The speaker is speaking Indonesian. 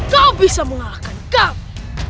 kau bisa mengalahkan kami